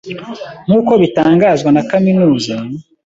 Nkuko bitangazwa na Kaminuza